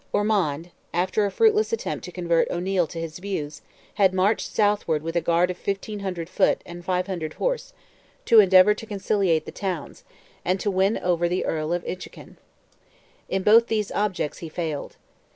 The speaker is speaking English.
Ormond, after a fruitless attempt to convert O'Neil to his views, had marched southward with a guard of 1,500 foot, and 500 horse, to endeavour to conciliate the towns, and to win over the Earl of Inchiquin. In both these objects he failed.